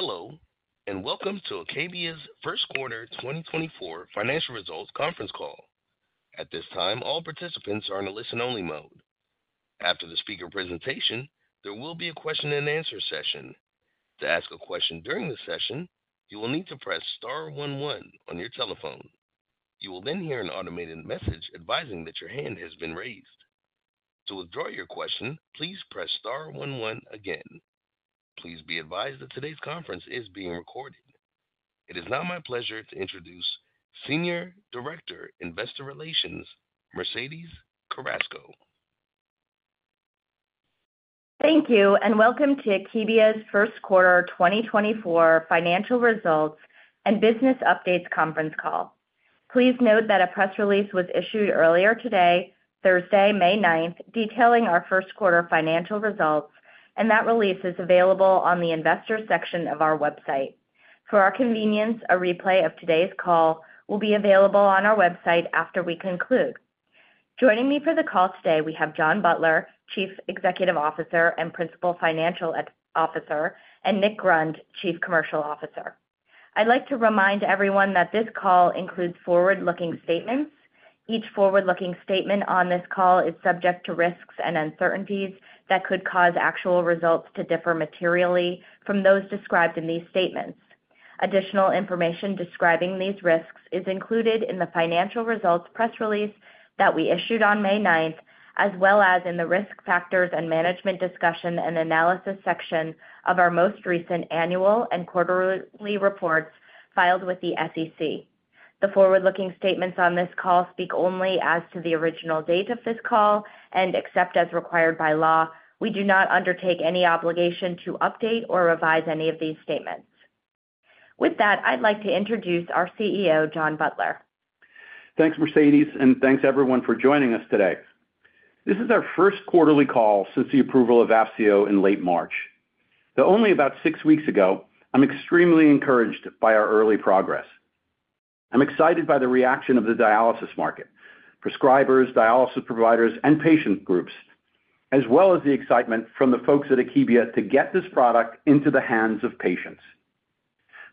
Hello and welcome to Akebia's First Quarter 2024 Financial Results Conference Call. At this time, all participants are in a listen-only mode. After the speaker presentation, there will be a question-and-answer session. To ask a question during the session, you will need to press star one one on your telephone. You will then hear an automated message advising that your hand has been raised. To withdraw your question, please press star one one again. Please be advised that today's conference is being recorded. It is now my pleasure to introduce Senior Director, Investor Relations, Mercedes Carrasco. Thank you and welcome to Akebia's First Quarter 2024 Financial Results and Business Updates Conference Call. Please note that a press release was issued earlier today, Thursday, May 9th, detailing our First Quarter Financial Results, and that release is available on the Investor section of our website. For our convenience, a replay of today's call will be available on our website after we conclude. Joining me for the call today, we have John Butler, Chief Executive Officer and Principal Financial Officer, and Nick Grund, Chief Commercial Officer. I'd like to remind everyone that this call includes forward-looking statements. Each forward-looking statement on this call is subject to risks and uncertainties that could cause actual results to differ materially from those described in these statements. Additional information describing these risks is included in the Financial Results press release that we issued on May 9th, as well as in the Risk Factors and Management Discussion and Analysis section of our most recent annual and quarterly reports filed with the SEC. The forward-looking statements on this call speak only as to the original date of this call and, except as required by law, we do not undertake any obligation to update or revise any of these statements. With that, I'd like to introduce our CEO, John Butler. Thanks, Mercedes, and thanks everyone for joining us today. This is our first quarterly call since the approval of Vafseo in late March. Though only about six weeks ago, I'm extremely encouraged by our early progress. I'm excited by the reaction of the dialysis market, prescribers, dialysis providers, and patient groups, as well as the excitement from the folks at Akebia to get this product into the hands of patients.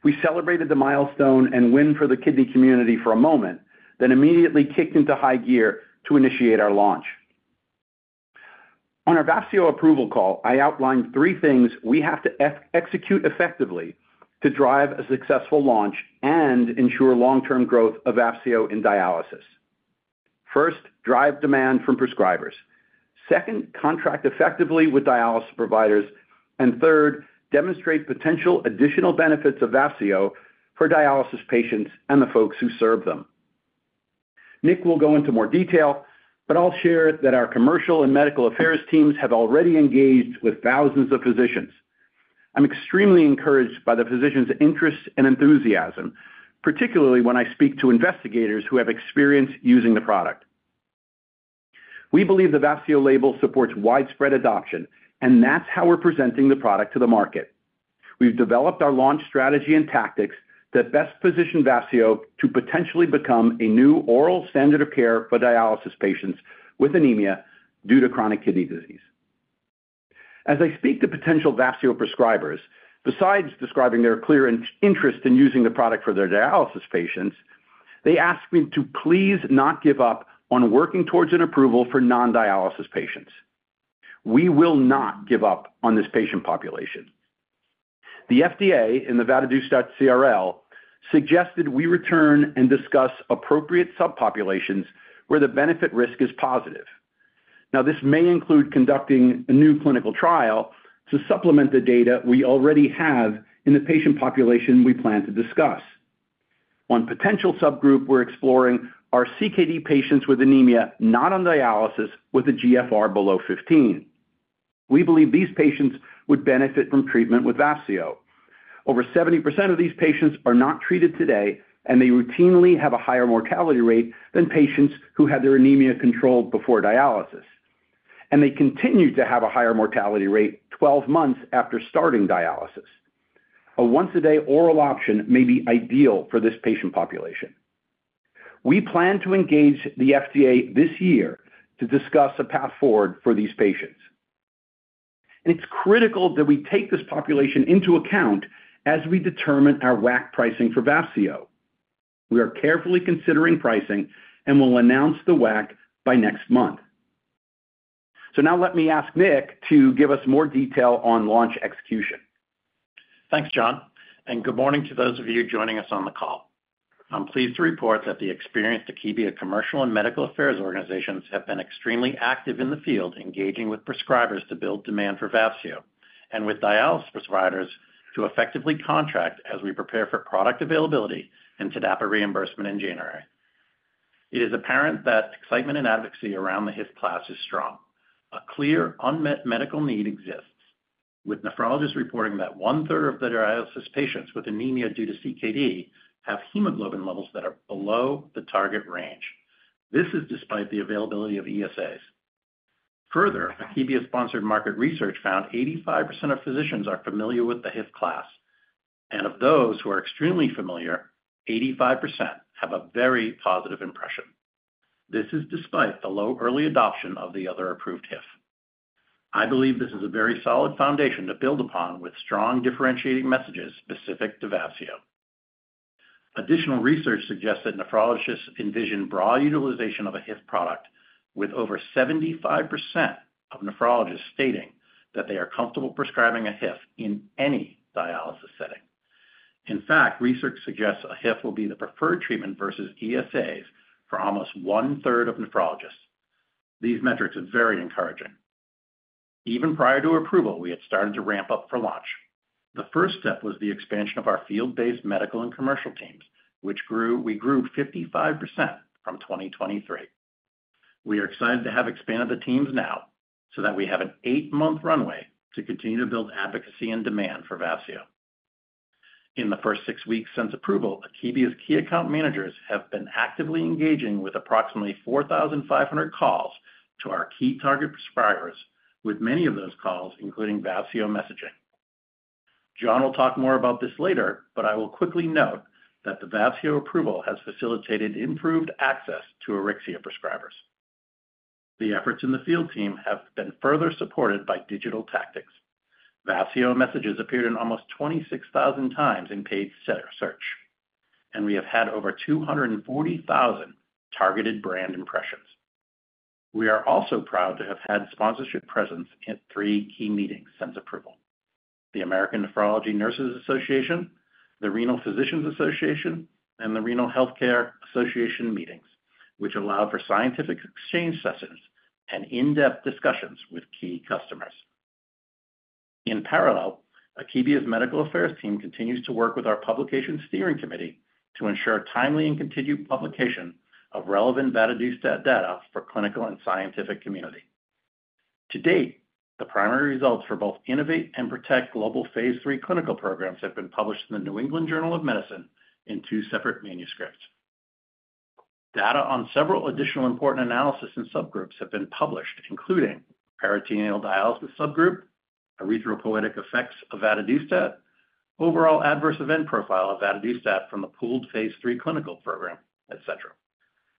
We celebrated the milestone and win for the kidney community for a moment, then immediately kicked into high gear to initiate our launch. On our Vafseo approval call, I outlined three things we have to execute effectively to drive a successful launch and ensure long-term growth of Vafseo in dialysis. First, drive demand from prescribers. Second, contract effectively with dialysis providers. And third, demonstrate potential additional benefits of Vafseo for dialysis patients and the folks who serve them. Nick will go into more detail, but I'll share that our commercial and medical affairs teams have already engaged with thousands of physicians. I'm extremely encouraged by the physicians' interest and enthusiasm, particularly when I speak to investigators who have experience using the product. We believe the Vafseo label supports widespread adoption, and that's how we're presenting the product to the market. We've developed our launch strategy and tactics that best position Vafseo to potentially become a new oral standard of care for dialysis patients with anemia due to chronic kidney disease. As I speak to potential Vafseo prescribers, besides describing their clear interest in using the product for their dialysis patients, they ask me to please not give up on working towards an approval for non-dialysis patients. We will not give up on this patient population. The FDA in the Vafseo CRL suggested we return and discuss appropriate subpopulations where the benefit-risk is positive. Now, this may include conducting a new clinical trial to supplement the data we already have in the patient population we plan to discuss. One potential subgroup we're exploring are CKD patients with anemia not on dialysis with a GFR below 15. We believe these patients would benefit from treatment with Vafseo. Over 70% of these patients are not treated today, and they routinely have a higher mortality rate than patients who had their anemia controlled before dialysis. And they continue to have a higher mortality rate 12 months after starting dialysis. A once-a-day oral option may be ideal for this patient population. We plan to engage the FDA this year to discuss a path forward for these patients. It's critical that we take this population into account as we determine our WACC pricing for AURYXIA. We are carefully considering pricing and will announce the WACC by next month. Now let me ask Nick to give us more detail on launch execution. Thanks, John. And good morning to those of you joining us on the call. I'm pleased to report that the experienced Akebia Commercial and Medical Affairs organizations have been extremely active in the field engaging with prescribers to build demand for Vafseo and with dialysis providers to effectively contract as we prepare for product availability and TDAPA reimbursement in January. It is apparent that excitement and advocacy around the HIF class is strong. A clear unmet medical need exists, with nephrologists reporting that 1/3 of the dialysis patients with anemia due to CKD have hemoglobin levels that are below the target range. This is despite the availability of ESAs. Further, Akebia-sponsored market research found 85% of physicians are familiar with the HIF class. And of those who are extremely familiar, 85% have a very positive impression. This is despite the low early adoption of the other approved HIF. I believe this is a very solid foundation to build upon with strong differentiating messages specific to Vafseo. Additional research suggests that nephrologists envision broad utilization of a HIF product, with over 75% of nephrologists stating that they are comfortable prescribing a HIF in any dialysis setting. In fact, research suggests a HIF will be the preferred treatment versus ESAs for almost 1/3 of nephrologists. These metrics are very encouraging. Even prior to approval, we had started to ramp up for launch. The first step was the expansion of our field-based medical and commercial teams, which grew 55% from 2023. We are excited to have expanded the teams now so that we have an eight-month runway to continue to build advocacy and demand for Vafseo. In the first six weeks since approval, Akebia's key account managers have been actively engaging with approximately 4,500 calls to our key target prescribers, with many of those calls including AURYXIA messaging. John will talk more about this later, but I will quickly note that the AURYXIA approval has facilitated improved access to AURYXIA prescribers. The efforts in the field team have been further supported by digital tactics. AURYXIA messages appeared in almost 26,000 times in paid search. We have had over 240,000 targeted brand impressions. We are also proud to have had sponsorship presence at three key meetings since approval: the American Nephrology Nurses Association, the Renal Physicians Association, and the Renal Healthcare Association meetings, which allowed for scientific exchange sessions and in-depth discussions with key customers. In parallel, Akebia's medical affairs team continues to work with our publication steering committee to ensure timely and continued publication of relevant Vafseo data for the clinical and scientific community. To date, the primary results for both INNO2VATE phase III clinical programs have been published in the New England Journal of Medicine in two separate manuscripts. Data on several additional important analyses and subgroups have been published, including peritoneal dialysis subgroup, erythropoietic effects of Vafseo data, overall adverse event profile of Vafseo data phase III clinical program, etc.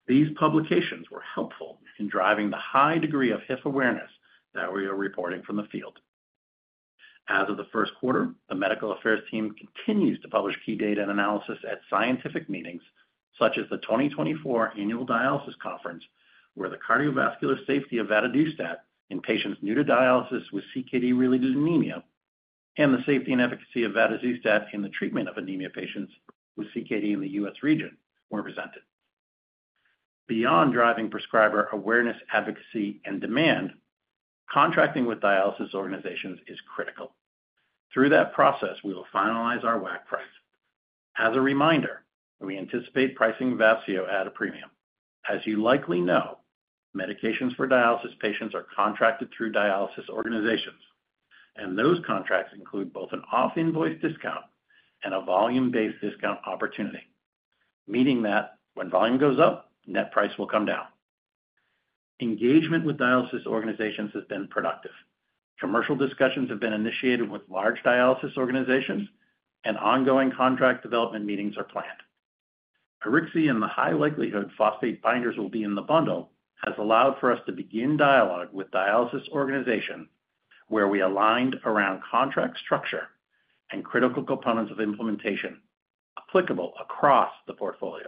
These publications were helpful in driving the high degree of HIF awareness that we are reporting from the field. As of the first quarter, the medical affairs team continues to publish key data and analysis at scientific meetings such as the 2024 Annual Dialysis Conference, where the cardiovascular safety of vadadustat in patients new to dialysis with CKD-related anemia and the safety and efficacy of vadadustat in the treatment of anemia patients with CKD in the U.S. region were presented. Beyond driving prescriber awareness, advocacy, and demand, contracting with dialysis organizations is critical. Through that process, we will finalize our WACC price. As a reminder, we anticipate pricing Vafseo at a premium. As you likely know, medications for dialysis patients are contracted through dialysis organizations. Those contracts include both an off-invoice discount and a volume-based discount opportunity. Meaning that when volume goes up, net price will come down. Engagement with dialysis organizations has been productive. Commercial discussions have been initiated with large dialysis organizations, and ongoing contract development meetings are planned. AURYXIA and the high likelihood phosphate binders will be in the bundle has allowed for us to begin dialogue with dialysis organizations, where we aligned around contract structure and critical components of implementation applicable across the portfolio.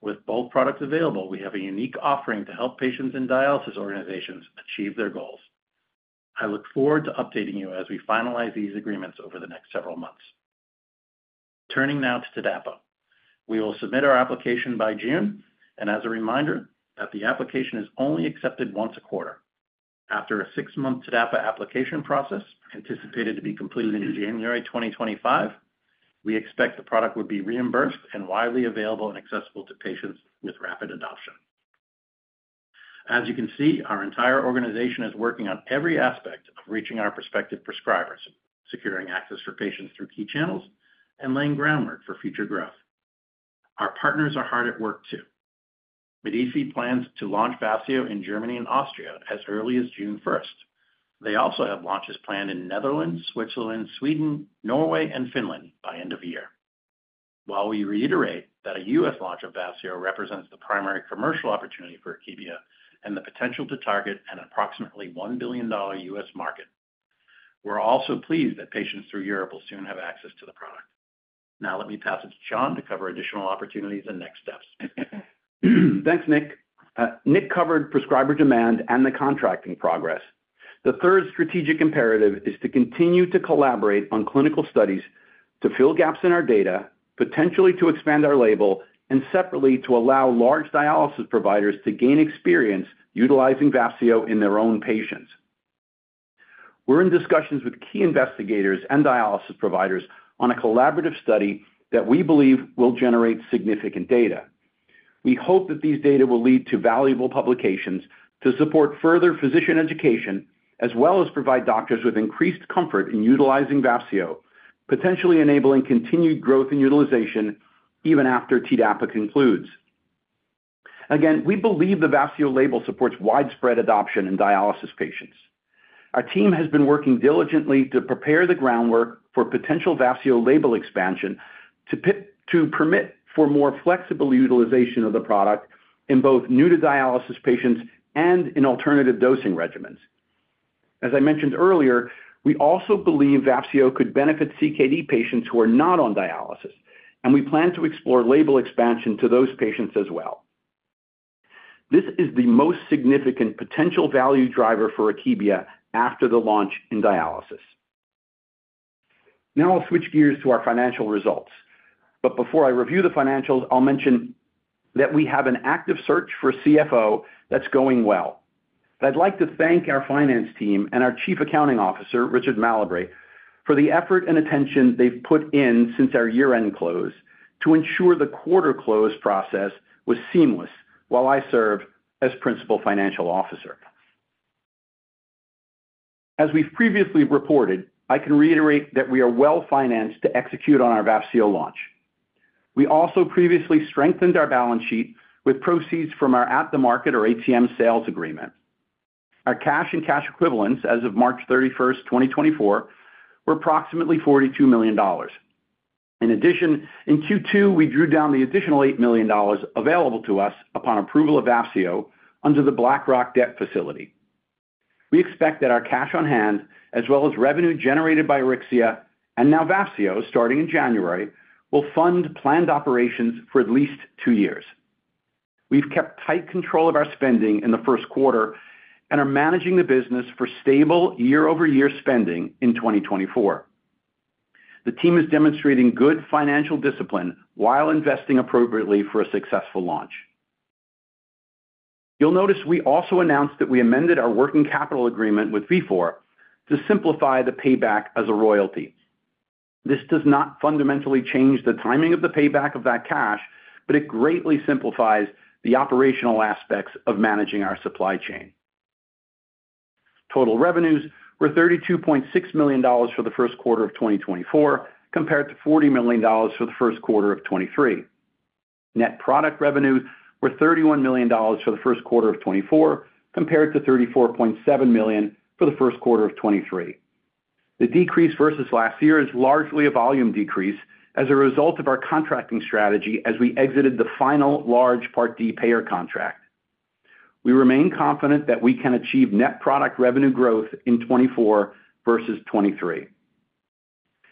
With both products available, we have a unique offering to help patients in dialysis organizations achieve their goals. I look forward to updating you as we finalize these agreements over the next several months. Turning now to TDAPA. We will submit our application by June. As a reminder that the application is only accepted once a quarter. After a six-month TDAPA application process anticipated to be completed in January 2025, we expect the product would be reimbursed and widely available and accessible to patients with rapid adoption. As you can see, our entire organization is working on every aspect of reaching our prospective prescribers, securing access for patients through key channels, and laying groundwork for future growth. Our partners are hard at work too. Medice plans to launch Vafseo in Germany and Austria as early as June 1st. They also have launches planned in Netherlands, Switzerland, Sweden, Norway, and Finland by end of year. While we reiterate that a U.S. launch of Vafseo represents the primary commercial opportunity for Akebia and the potential to target an approximately $1 billion U.S. market, we're also pleased that patients throughout Europe will soon have access to the product. Now let me pass it to John to cover additional opportunities and next steps. Thanks, Nick. Nick covered prescriber demand and the contracting progress. The third strategic imperative is to continue to collaborate on clinical studies to fill gaps in our data, potentially to expand our label, and separately to allow large dialysis providers to gain experience utilizing AURYXIA in their own patients. We're in discussions with key investigators and dialysis providers on a collaborative study that we believe will generate significant data. We hope that these data will lead to valuable publications to support further physician education as well as provide doctors with increased comfort in utilizing AURYXIA, potentially enabling continued growth and utilization even after TDAPA concludes. Again, we believe the AURYXIA label supports widespread adoption in dialysis patients. Our team has been working diligently to prepare the groundwork for potential AURYXIA label expansion to permit for more flexible utilization of the product in both new-to-dialysis patients and in alternative dosing regimens. As I mentioned earlier, we also believe Vafseo could benefit CKD patients who are not on dialysis. We plan to explore label expansion to those patients as well. This is the most significant potential value driver for Akebia after the launch in dialysis. Now I'll switch gears to our financial results. Before I review the financials, I'll mention that we have an active search for CFO that's going well. I'd like to thank our finance team and our Chief Accounting Officer, Richard Malabre, for the effort and attention they've put in since our year-end close to ensure the quarter close process was seamless while I served as Principal Financial Officer. As we've previously reported, I can reiterate that we are well-financed to execute on our Vafseo launch. We also previously strengthened our balance sheet with proceeds from our at-the-market or ATM sales agreement. Our cash and cash equivalents as of March 31st, 2024, were approximately $42 million. In addition, in Q2, we drew down the additional $8 million available to us upon approval of Vafseo under the BlackRock debt facility. We expect that our cash on hand, as well as revenue generated by AURYXIA and now Vafseo starting in January, will fund planned operations for at least two years. We've kept tight control of our spending in the first quarter and are managing the business for stable year-over-year spending in 2024. The team is demonstrating good financial discipline while investing appropriately for a successful launch. You'll notice we also announced that we amended our working capital agreement with Vifor to simplify the payback as a royalty. This does not fundamentally change the timing of the payback of that cash, but it greatly simplifies the operational aspects of managing our supply chain. Total revenues were $32.6 million for the first quarter of 2024 compared to $40 million for the first quarter of 2023. Net product revenues were $31 million for the first quarter of 2024 compared to $34.7 million for the first quarter of 2023. The decrease versus last year is largely a volume decrease as a result of our contracting strategy as we exited the final large Part D payer contract. We remain confident that we can achieve net product revenue growth in 2024 versus 2023.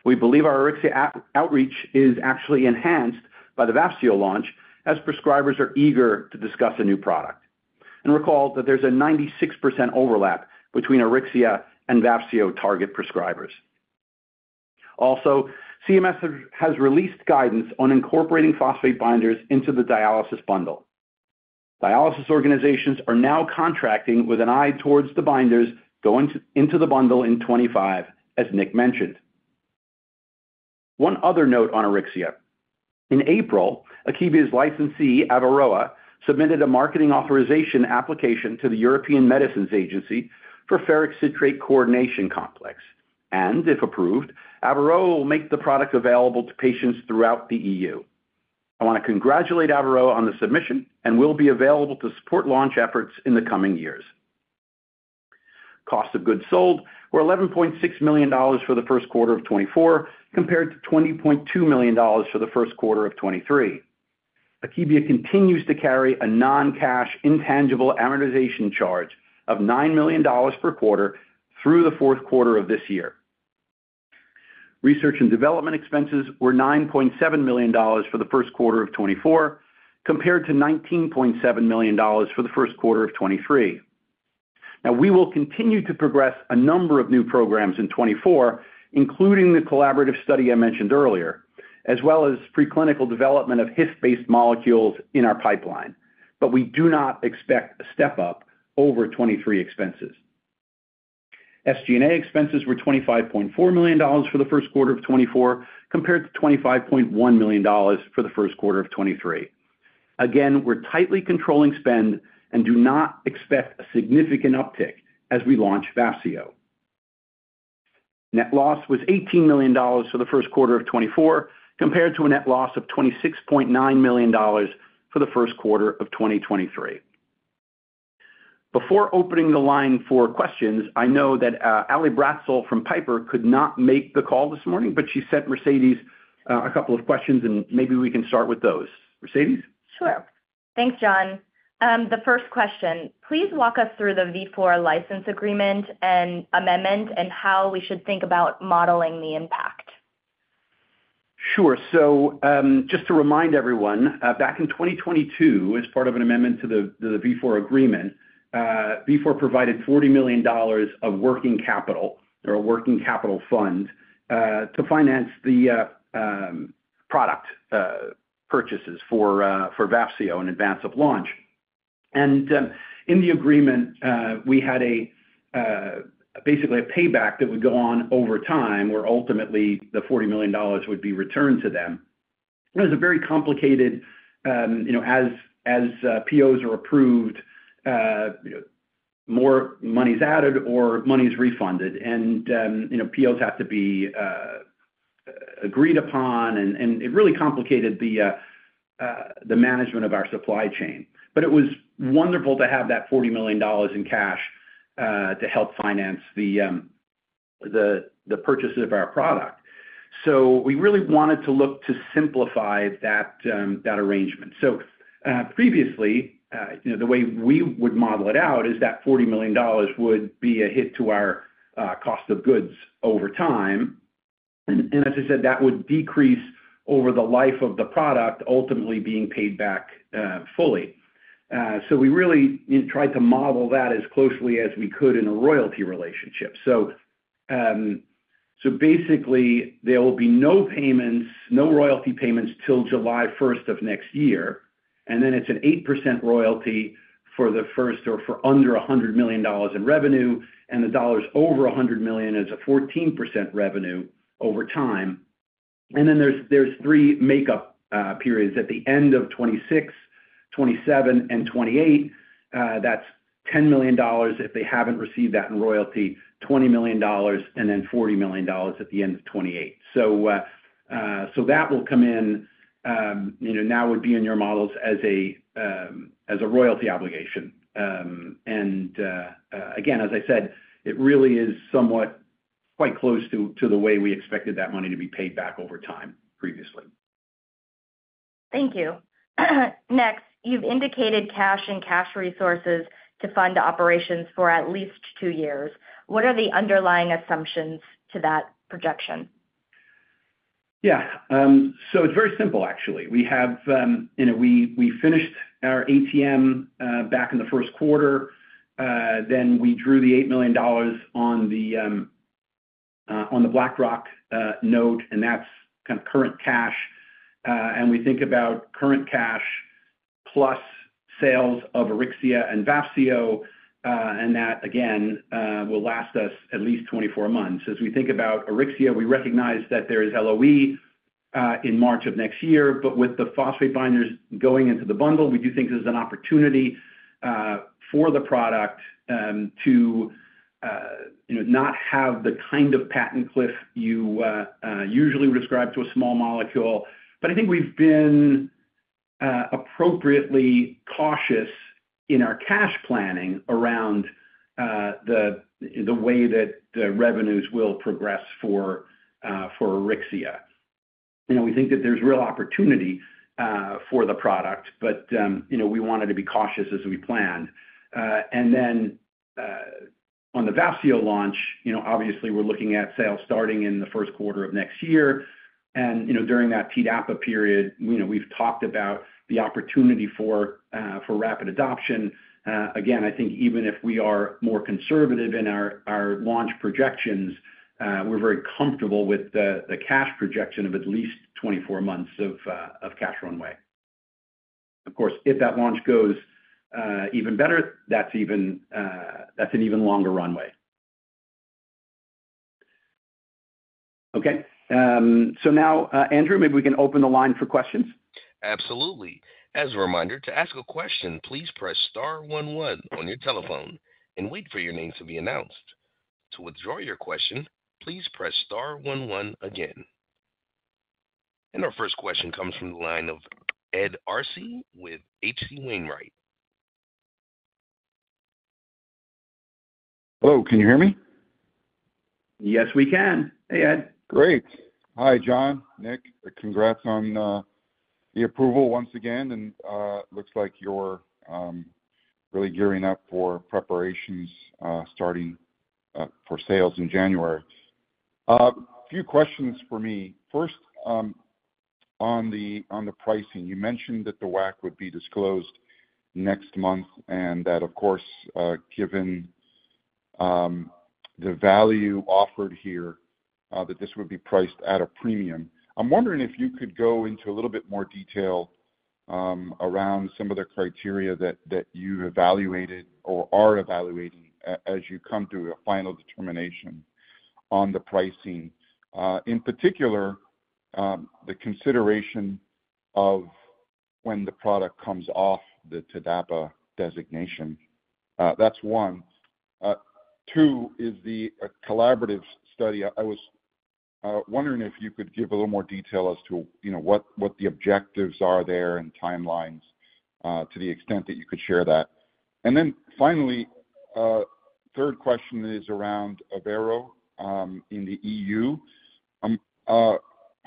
We believe our AURYXIA outreach is actually enhanced by the Vafseo launch as prescribers are eager to discuss a new product. Recall that there's a 96% overlap between AURYXIA and Vafseo target prescribers. CMS has released guidance on incorporating phosphate binders into the dialysis bundle. Dialysis organizations are now contracting with an eye towards the binders going into the bundle in 2025, as Nick mentioned. One other note on AURYXIA. In April, Akebia's licensee, Averoa, submitted a marketing authorization application to the European Medicines Agency for ferric citrate coordination complex. If approved, Averoa will make the product available to patients throughout the EU. I want to congratulate Averoa on the submission and will be available to support launch efforts in the coming years. Cost of goods sold were $11.6 million for the first quarter of 2024 compared to $20.2 million for the first quarter of 2023. Akebia continues to carry a non-cash intangible amortization charge of $9 million per quarter through the fourth quarter of this year. Research and development expenses were $9.7 million for the first quarter of 2024 compared to $19.7 million for the first quarter of 2023. Now, we will continue to progress a number of new programs in 2024, including the collaborative study I mentioned earlier, as well as preclinical development of HIF-based molecules in our pipeline. But we do not expect a step up over 2023 expenses. SG&A expenses were $25.4 million for the first quarter of 2024 compared to $25.1 million for the first quarter of 2023. Again, we're tightly controlling spend and do not expect a significant uptick as we launch AURYXIA. Net loss was $18 million for the first quarter of 2024 compared to a net loss of $26.9 million for the first quarter of 2023. Before opening the line for questions, I know that Ally Bratzel from Piper could not make the call this morning, but she sent Mercedes a couple of questions, and maybe we can start with those. Mercedes? Sure. Thanks, John. The first question, please walk us through the Vafseo license agreement and amendment and how we should think about modeling the impact. Sure. So just to remind everyone, back in 2022, as part of an amendment to the Vifor agreement, Vifor provided $40 million of working capital or a working capital fund to finance the product purchases for Vafseo in advance of launch. In the agreement, we had basically a payback that would go on over time where ultimately the $40 million would be returned to them. It was very complicated, as POs are approved, more money's added or money's refunded. POs have to be agreed upon, and it really complicated the management of our supply chain. But it was wonderful to have that $40 million in cash to help finance the purchase of our product. So we really wanted to look to simplify that arrangement. Previously, the way we would model it out is that $40 million would be a hit to our cost of goods over time. And as I said, that would decrease over the life of the product ultimately being paid back fully. So we really tried to model that as closely as we could in a royalty relationship. So basically, there will be no payments, no royalty payments till July 1st of next year. And then it's an 8% royalty for the first or for under $100 million in revenue. And the dollars over $100 million is a 14% revenue over time. And then there's three makeup periods. At the end of 2026, 2027, and 2028, that's $10 million if they haven't received that in royalty, $20 million, and then $40 million at the end of 2028. So that will come in now would be in your models as a royalty obligation. And again, as I said, it really is somewhat quite close to the way we expected that money to be paid back over time previously. Thank you. Next, you've indicated cash and cash resources to fund operations for at least two years. What are the underlying assumptions to that projection? Yeah. So it's very simple, actually. We finished our ATM back in the first quarter. Then we drew the $8 million on the BlackRock note, and that's kind of current cash. And we think about current cash plus sales of AURYXIA and Vafseo, and that, again, will last us at least 24 months. As we think about AURYXIA, we recognize that there is LoE in March of next year. But with the phosphate binders going into the bundle, we do think this is an opportunity for the product to not have the kind of patent cliff you usually would ascribe to a small molecule. But I think we've been appropriately cautious in our cash planning around the way that the revenues will progress for AURYXIA. We think that there's real opportunity for the product, but we wanted to be cautious as we planned. Then on the Vafseo launch, obviously, we're looking at sales starting in the first quarter of next year. And during that TDAPA period, we've talked about the opportunity for removed adoption. Again, I think even if we are more conservative in our launch projections, we're very comfortable with the cash projection of at least 24 months of cash runway. Of course, if that launch goes even better, that's an even longer runway. Okay. So now, Andrew, maybe we can open the line for questions. Absolutely. As a reminder, to ask a question, please press star one one on your telephone and wait for your name to be announced. To withdraw your question, please press star one one again. Our first question comes from the line of Ed Arce with H.C. Wainwright. Hello. Can you hear me? Yes, we can. Hey, Ed. Great. Hi, John, Nick. Congrats on the approval once again. Looks like you're really gearing up for preparations starting for sales in January. A few questions for me. First, on the pricing, you mentioned that the WACC would be disclosed next month and that, of course, given the value offered here, that this would be priced at a premium. I'm wondering if you could go into a little bit more detail around some of the criteria that you evaluated or are evaluating as you come to a final determination on the pricing. In particular, the consideration of when the product comes off the TDAPA designation. That's one. Two is the collaborative study. I was wondering if you could give a little more detail as to what the objectives are there and timelines to the extent that you could share that. And then finally, third question is around Averoa in the EU. I'm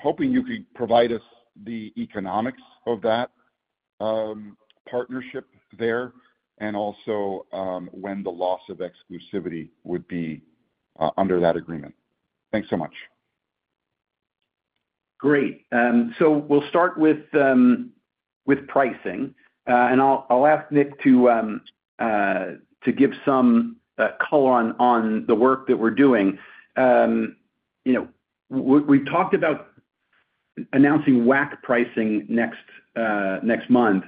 hoping you could provide us the economics of that partnership there and also when the loss of exclusivity would be under that agreement. Thanks so much. Great. So we'll start with pricing. I'll ask Nick to give some color on the work that we're doing. We've talked about announcing WACC pricing next month.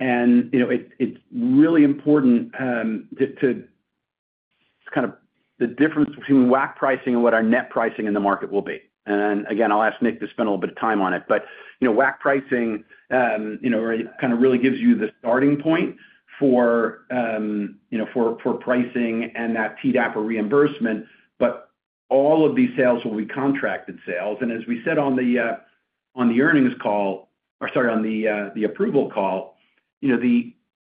It's really important to kind of see the difference between WACC pricing and what our net pricing in the market will be. Again, I'll ask Nick to spend a little bit of time on it. But WACC pricing kind of really gives you the starting point for pricing and that TDAPA reimbursement. But all of these sales will be contracted sales. As we said on the earnings call, or sorry, on the approval call,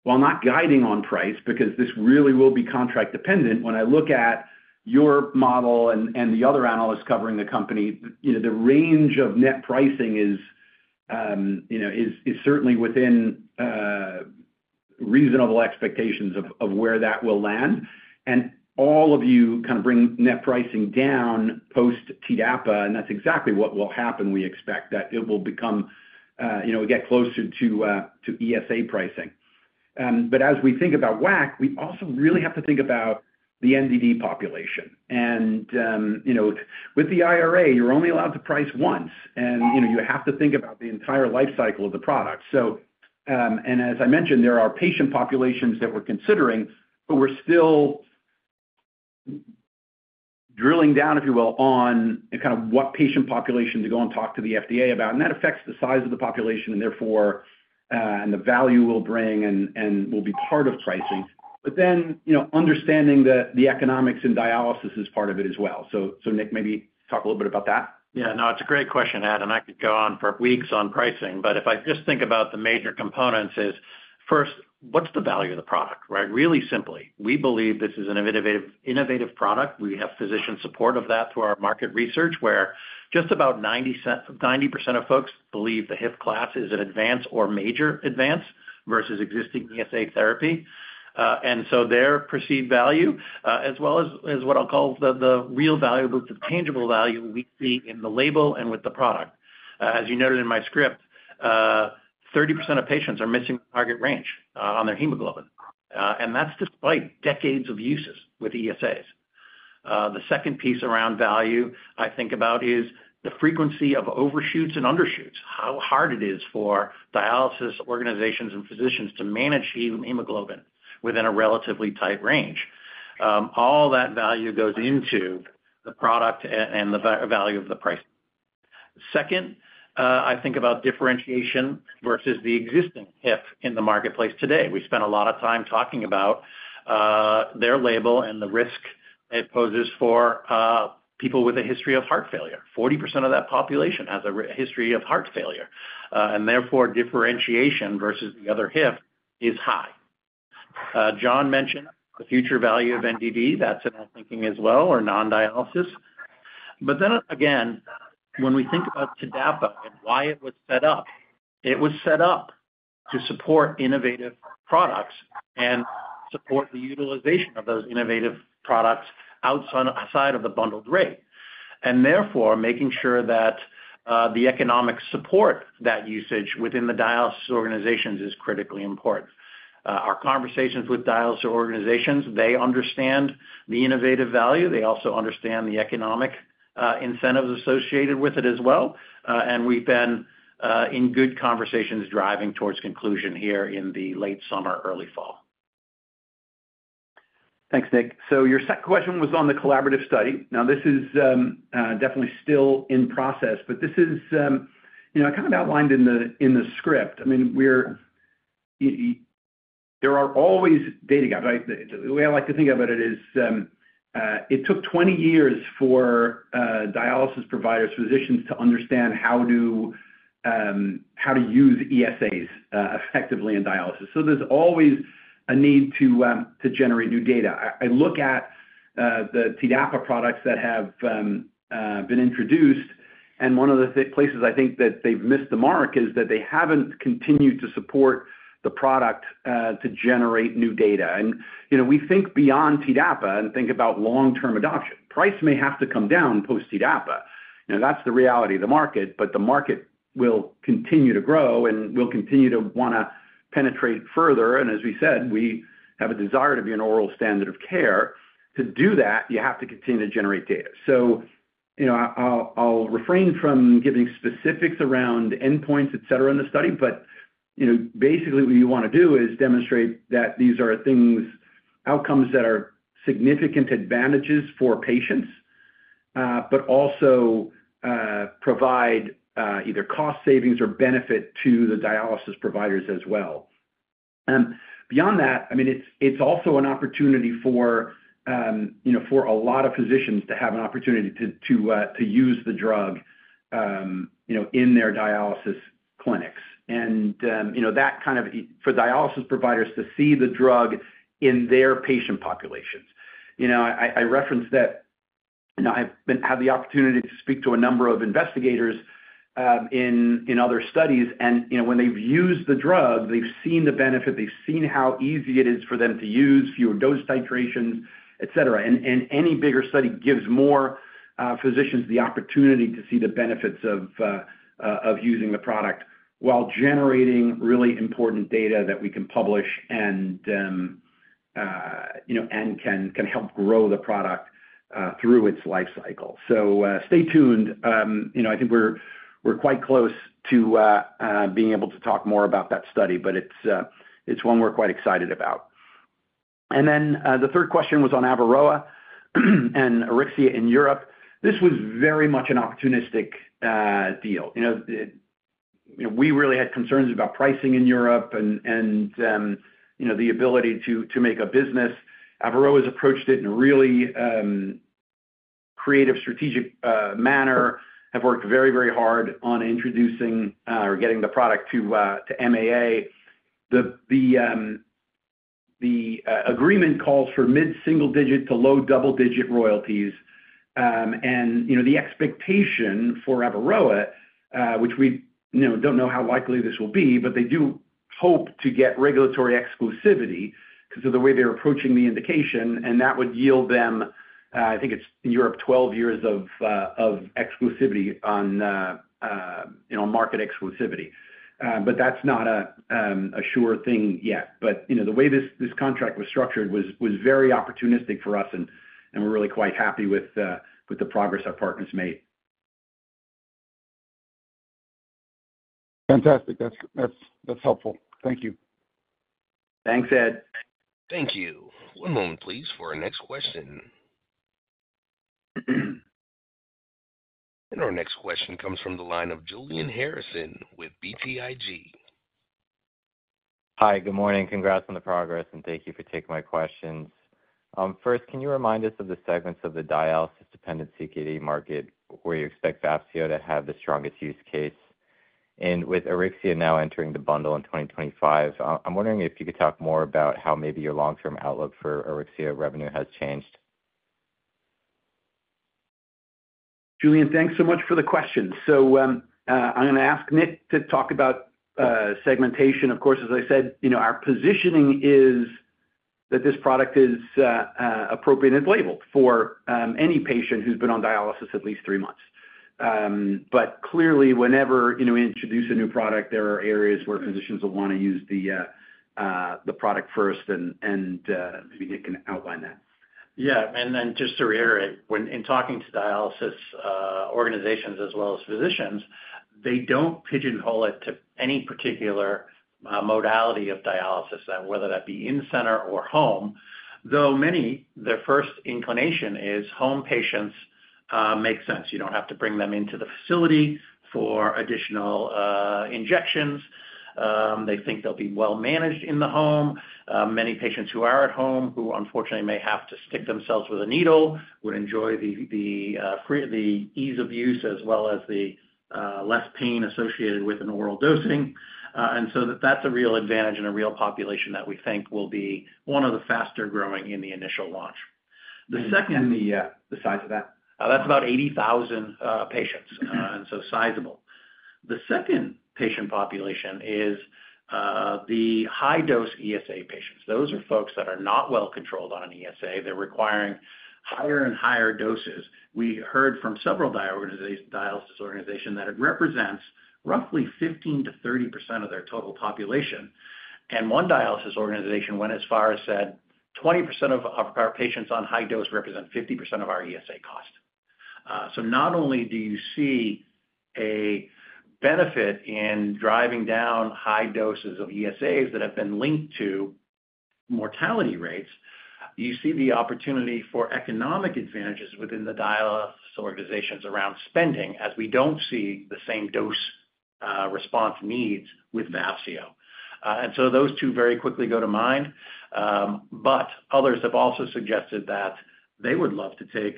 while not guiding on price because this really will be contract-dependent, when I look at your model and the other analysts covering the company, the range of net pricing is certainly within reasonable expectations of where that will land. All of you kind of bring net pricing down post-TDAPA, and that's exactly what will happen. We expect that it will become we get closer to ESA pricing. But as we think about WACC, we also really have to think about the NDD population. With the IRA, you're only allowed to price once. And you have to think about the entire lifecycle of the product. And as I mentioned, there are patient populations that we're considering, but we're still drilling down, if you will, on kind of what patient population to go and talk to the FDA about. And that affects the size of the population and therefore and the value we'll bring and will be part of pricing. But then understanding the economics and dialysis is part of it as well. So, Nick, maybe talk a little bit about that. Yeah. No, it's a great question, Ed. I could go on for weeks on pricing. If I just think about the major components is, first, what's the value of the product, right? Really simply, we believe this is an innovative product. We have physician support of that through our market research where just about 90% of folks believe the HIF class is an advance or major advance versus existing ESA therapy. So their perceived value, as well as what I'll call the real value, the tangible value we see in the label and with the product. As you noted in my script, 30% of patients are missing the target range on their hemoglobin. That's despite decades of uses with ESAs. The second piece around value I think about is the frequency of overshoots and undershoots, how hard it is for dialysis organizations and physicians to manage hemoglobin within a relatively tight range. All that value goes into the product and the value of the price. Second, I think about differentiation versus the existing HIF in the marketplace today. We spend a lot of time talking about their label and the risk it poses for people with a history of heart failure. 40% of that population has a history of heart failure. And therefore, differentiation versus the other HIF is high. John mentioned the future value of NDD. That's in our thinking as well, or non-dialysis. But then again, when we think about TDAPA and why it was set up, it was set up to support innovative products and support the utilization of those innovative products outside of the bundled rate. Therefore, making sure that the economic support that usage within the dialysis organizations is critically important. Our conversations with dialysis organizations, they understand the innovative value. They also understand the economic incentives associated with it as well. We've been in good conversations driving towards conclusion here in the late summer, early fall. Thanks, Nick. So your second question was on the collaborative study. Now, this is definitely still in process, but this is kind of outlined in the script. I mean, there are always data gaps, right? The way I like to think about it is it took 20 years for dialysis providers, physicians, to understand how to use ESAs effectively in dialysis. So there's always a need to generate new data. I look at the TDAPA products that have been introduced, and one of the places I think that they've missed the mark is that they haven't continued to support the product to generate new data. And we think beyond TDAPA and think about long-term adoption. Price may have to come down post-TDAPA. That's the reality of the market. But the market will continue to grow and will continue to want to penetrate further. And as we said, we have a desire to be an oral standard of care. To do that, you have to continue to generate data. So I'll refrain from giving specifics around endpoints, etc., in the study. But basically, what you want to do is demonstrate that these are things, outcomes that are significant advantages for patients, but also provide either cost savings or benefit to the dialysis providers as well. And beyond that, I mean, it's also an opportunity for a lot of physicians to have an opportunity to use the drug in their dialysis clinics. And that kind of for dialysis providers to see the drug in their patient populations. I referenced that. Now, I have had the opportunity to speak to a number of investigators in other studies. And when they've used the drug, they've seen the benefit. They've seen how easy it is for them to use, fewer dose titrations, etc. And any bigger study gives more physicians the opportunity to see the benefits of using the product while generating really important data that we can publish and can help grow the product through its lifecycle. So stay tuned. I think we're quite close to being able to talk more about that study, but it's one we're quite excited about. And then the third question was on Averoa and AURYXIA in Europe. This was very much an opportunistic deal. We really had concerns about pricing in Europe and the ability to make a business. Averoa has approached it in a really creative, strategic manner, have worked very, very hard on introducing or getting the product to MAA. The agreement calls for mid-single digit to low double-digit royalties. The expectation for Averoa, which we don't know how likely this will be, but they do hope to get regulatory exclusivity because of the way they're approaching the indication. That would yield them, I think it's in Europe, 12 years of exclusivity on market exclusivity. That's not a sure thing yet. The way this contract was structured was very opportunistic for us, and we're really quite happy with the progress our partners made. Fantastic. That's helpful. Thank you. Thanks, Ed. Thank you. One moment, please, for our next question. Our next question comes from the line of Julian Harrison with BTIG. Hi. Good morning. Congrats on the progress, and thank you for taking my questions. First, can you remind us of the segments of the dialysis-dependent CKD market where you expect Vafseo to have the strongest use case? And with AURYXIA now entering the bundle in 2025, I'm wondering if you could talk more about how maybe your long-term outlook for AURYXIA revenue has changed. Julian, thanks so much for the question. So I'm going to ask Nick to talk about segmentation. Of course, as I said, our positioning is that this product is appropriate and it's labeled for any patient who's been on dialysis at least three months. But clearly, whenever we introduce a new product, there are areas where physicians will want to use the product first. And maybe Nick can outline that. Yeah. And then just to reiterate, in talking to dialysis organizations as well as physicians, they don't pigeonhole it to any particular modality of dialysis, whether that be in-center or home. Though many, their first inclination is home patients make sense. You don't have to bring them into the facility for additional injections. They think they'll be well-managed in the home. Many patients who are at home, who unfortunately may have to stick themselves with a needle, would enjoy the ease of use as well as the less pain associated with an oral dosing. And so that's a real advantage in a real population that we think will be one of the faster growing in the initial launch. The second. The size of that? That's about 80,000 patients, and so sizable. The second patient population is the high-dose ESA patients. Those are folks that are not well-controlled on an ESA. They're requiring higher and higher doses. We heard from several dialysis organizations that it represents roughly 15%-30% of their total population. And one dialysis organization went as far as said, "20% of our patients on high dose represent 50% of our ESA cost." So not only do you see a benefit in driving down high doses of ESAs that have been linked to mortality rates, you see the opportunity for economic advantages within the dialysis organizations around spending as we don't see the same dose response needs with Vafseo. And so those two very quickly go to mind. But others have also suggested that they would love to take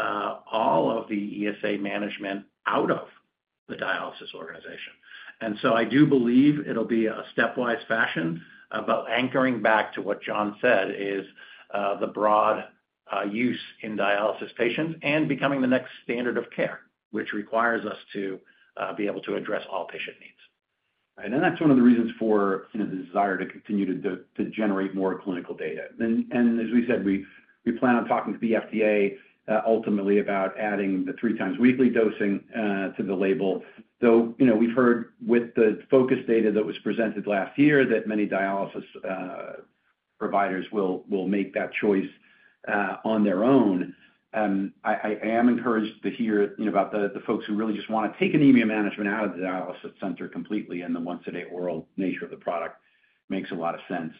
all of the ESA management out of the dialysis organization. I do believe it'll be a stepwise fashion. Anchoring back to what John said is the broad use in dialysis patients and becoming the next standard of care, which requires us to be able to address all patient needs. Right. That's one of the reasons for the desire to continue to generate more clinical data. As we said, we plan on talking to the FDA ultimately about adding the three-times-weekly dosing to the label. Though we've heard with the FO2CUS data that was presented last year that many dialysis providers will make that choice on their own, I am encouraged to hear about the folks who really just want to take anemia management out of the dialysis center completely. The once-a-day oral nature of the product makes a lot of sense.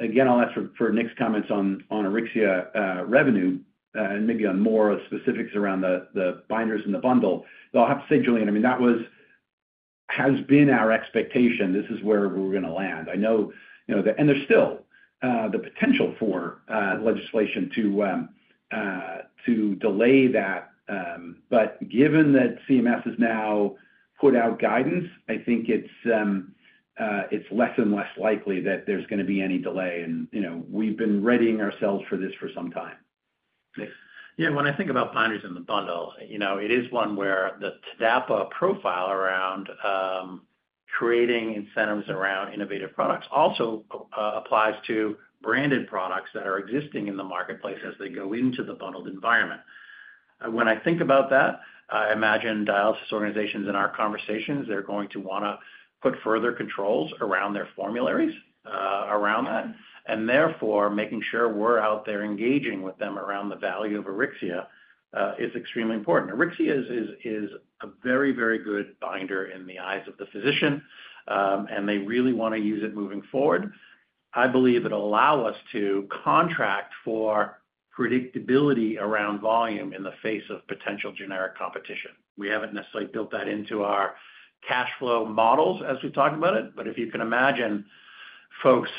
Again, I'll ask for Nick's comments on AURYXIA revenue and maybe on more specifics around the binders in the bundle. Though I'll have to say, Julian, I mean, that has been our expectation. This is where we're going to land. I know that. There's still the potential for legislation to delay that. But given that CMS has now put out guidance, I think it's less and less likely that there's going to be any delay. And we've been readying ourselves for this for some time. Yeah. When I think about binders in the bundle, it is one where the TDAPA profile around creating incentives around innovative products also applies to branded products that are existing in the marketplace as they go into the bundled environment. When I think about that, I imagine dialysis organizations in our conversations, they're going to want to put further controls around their formularies around that. And therefore, making sure we're out there engaging with them around the value of AURYXIA is extremely important. AURYXIA is a very, very good binder in the eyes of the physician, and they really want to use it moving forward. I believe it'll allow us to contract for predictability around volume in the face of potential generic competition. We haven't necessarily built that into our cash flow models as we've talked about it. But if you can imagine folks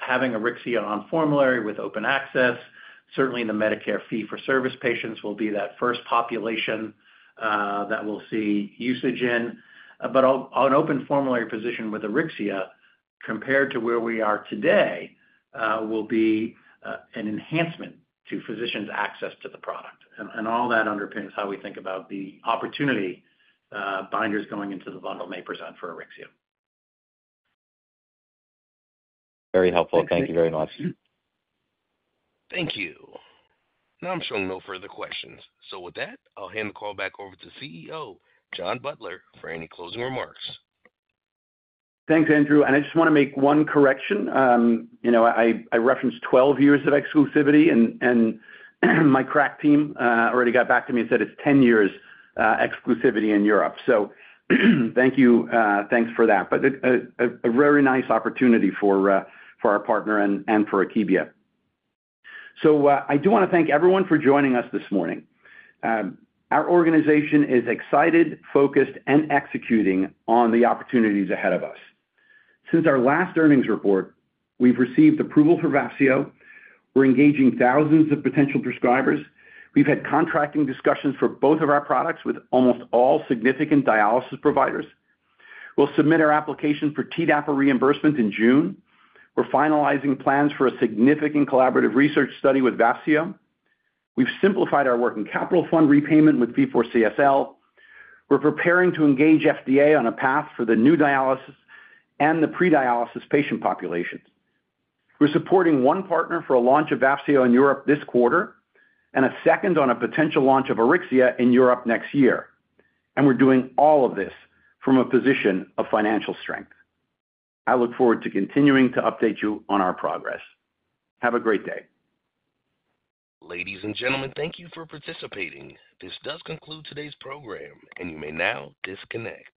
having AURYXIA on formulary with open access, certainly the Medicare fee-for-service patients will be that first population that we'll see usage in. But an open formulary position with AURYXIA compared to where we are today will be an enhancement to physicians' access to the product. And all that underpins how we think about the opportunity binders going into the bundle may present for AURYXIA. Very helpful. Thank you very much. Thank you. Now I'm showing no further questions. So with that, I'll hand the call back over to CEO John Butler for any closing remarks. Thanks, Andrew. And I just want to make one correction. I referenced 12 years of exclusivity, and my crack team already got back to me and said, "It's 10 years exclusivity in Europe." So thank you. Thanks for that. But a very nice opportunity for our partner and for Akebia. So I do want to thank everyone for joining us this morning. Our organization is excited, focused, and executing on the opportunities ahead of us. Since our last earnings report, we've received approval for AURYXIA. We're engaging thousands of potential prescribers. We've had contracting discussions for both of our products with almost all significant dialysis providers. We'll submit our application for TDAPA reimbursement in June. We're finalizing plans for a significant collaborative research study with AURYXIA. We've simplified our working capital fund repayment with CSL Vifor. We're preparing to engage FDA on a path for the new dialysis and the pre-dialysis patient populations. We're supporting one partner for a launch of Vafseo in Europe this quarter and a second on a potential launch of AURYXIA in Europe next year. We're doing all of this from a position of financial strength. I look forward to continuing to update you on our progress. Have a great day. Ladies and gentlemen, thank you for participating. This does conclude today's program, and you may now disconnect.